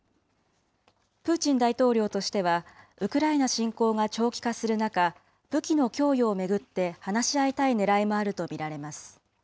プーチン大統領としては、ウクライナ侵攻が長期化する中、武器の供与を巡って話し合いたいねらいもあると見られます。